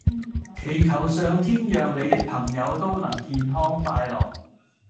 祈求上天讓你的朋友都能健康快樂